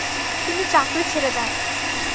তিনি চাকরি ছেড়ে দেন।